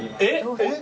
えっ？